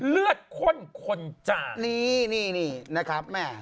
เลือดข้นคนจะนี่นี่นะครับแม่